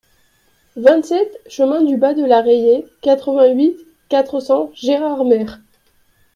vingt-sept chemin du Bas de la Rayée, quatre-vingt-huit, quatre cents, Gérardmer